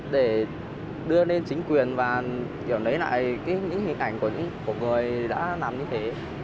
để đưa lên chính quyền và hiểu lấy lại những hình ảnh của người đã làm như thế